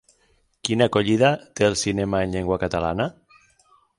Quina acollida té el cinema en llengua catalana?